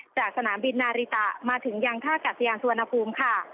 จากสนามบินนาริตะมาถึงยังท่ากัดสยานสุวรรณภูมิค่ะ